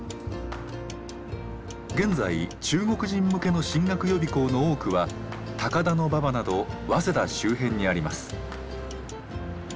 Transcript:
現在中国人向けの進学予備校の多くは高田馬場など早稲田周辺にあります。